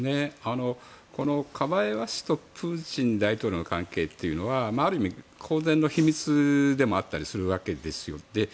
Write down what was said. このカバエワ氏とプーチン大統領の関係というのはある意味公然の秘密でもあったりするわけですよ。